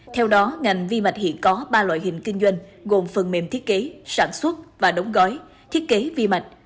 theo đó ngành vi mạch hiện có ba loại hình kinh doanh gồm phần mềm thiết kế sản xuất và đóng gói thiết kế vi mạch